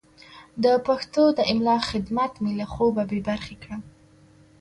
د پښتو د املا خدمت مې له خوبه بې برخې کړم.